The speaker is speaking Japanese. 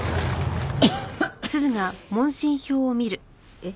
えっ？